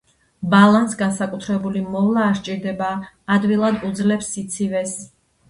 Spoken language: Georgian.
ბალანს განსაკუთრებული მოვლა არ სჭირდება, ადვილად უძლებს სიცივეს.